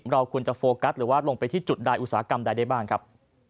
เราควรจะโฟกัสหรือว่าลงไปที่จุดใดอุตสาหกรรมใดได้บ้างครับ